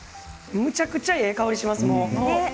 むちゃくちゃええ香りがします。